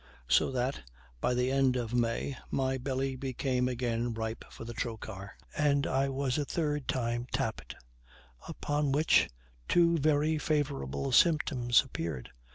So that, by the end of May, my belly became again ripe for the trochar, and I was a third time tapped; upon which, two very favorable symptoms appeared.